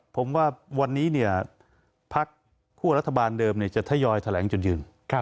ผมว่าวันนี้เนี่ยภักดิ์หัวรัฐบาลเดิมเนี่ยจะทะยอยแถลงจุดยืน